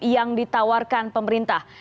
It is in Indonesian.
yang ditawarkan pemerintah